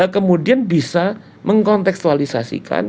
kemudian bisa mengkonteksualisasikan